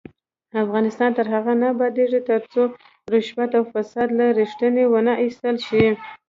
افغانستان تر هغو نه ابادیږي، ترڅو رشوت او فساد له ریښې ونه ایستل شي.